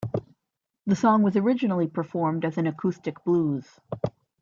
The song was originally performed as an acoustic blues.